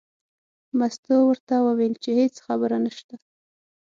مستو ورته وویل چې هېڅ خبره نشته.